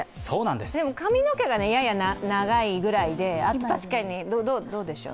でも、髪の毛がやや長いぐらいで、どうでしょう？